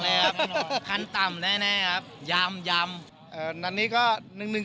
เลยครับคันต่ำแน่ครับยำยำเอ่อนันนี้ก็หนึ่ง